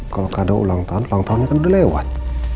kalau keadaan ulang tahun ulang tahunnya kan udah lewat